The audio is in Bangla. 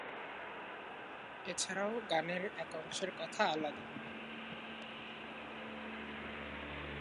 এছাড়াও গানের এক অংশের কথা আলাদা।